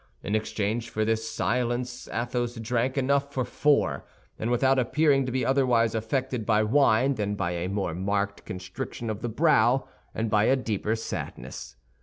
In exchange for his silence Athos drank enough for four, and without appearing to be otherwise affected by wine than by a more marked constriction of the brow and by a deeper sadness.